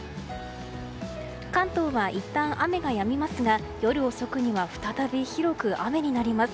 関東はいったん雨がやみますが夜遅くには再び広く雨になります。